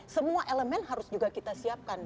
semua elemen harus juga kita siapkan